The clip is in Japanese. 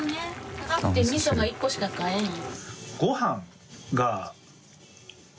高くてみそが１個しか買えん。